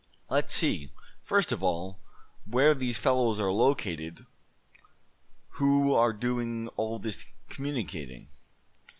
Let's see, first of all, where these fellows are located who are doing all this communicating."